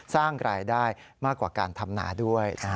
สร้างรายได้มากกว่าการทำหนาด้วย